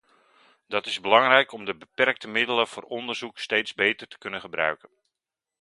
Dat is belangrijk om de beperkte middelen voor onderzoek steeds beter te kunnen gebruiken.